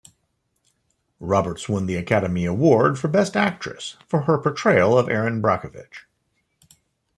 Roberts won the Academy Award for Best Actress for her portrayal of Erin Brockovich.